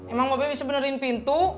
emang bapak bisa benerin pintu